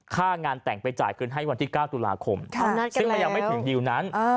ค่างานแต่งไปจ่ายคืนให้วันที่๙ตุลาคมซึ่งมันยังไม่ถึงดิวนั้น